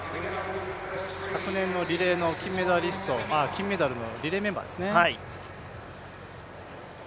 昨年のリレーの金メダルのリレーメンバーですね。